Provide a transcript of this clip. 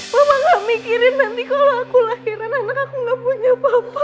mama enggak mikirin nanti kalau aku lahiran anak aku enggak punya papa